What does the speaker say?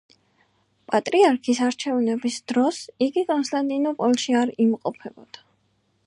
პატრიარქის არჩევნების დროს იგი კონსტანტინოპოლში არ იმყოფებოდა.